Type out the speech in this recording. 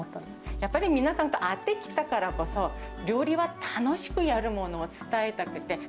やっぱり皆さんと会ってきたからこそ、料理は楽しくやるものを伝えたくて。